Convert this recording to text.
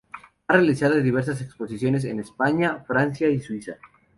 Ha realizado diversas exposiciones en España, Francia y Suiza.